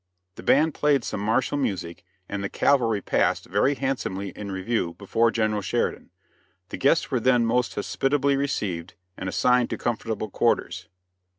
The band played some martial music, and the cavalry passed very handsomely in review before General Sheridan. The guests were then most hospitably received, and assigned to comfortable quarters.